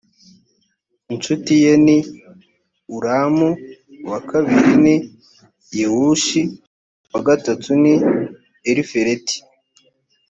inshuti ye ni ulamu uwa kabiri ni yewushi uwa gatatu ni elifeleti